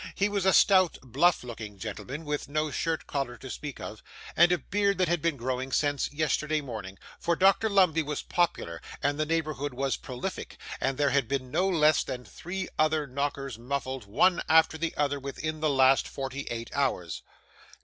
He was a stout bluff looking gentleman, with no shirt collar to speak of, and a beard that had been growing since yesterday morning; for Dr Lumbey was popular, and the neighbourhood was prolific; and there had been no less than three other knockers muffled, one after the other within the last forty eight hours.